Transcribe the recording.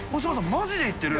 マジで言ってる？